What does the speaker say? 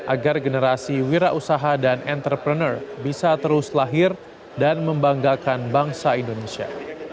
agar generasi wira usaha dan entrepreneur bisa terus lahir dan membanggakan bangsa indonesia